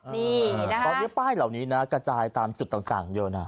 เพราะป้ายเหล่านี้กระจายตามจุดต่างอยู่นะ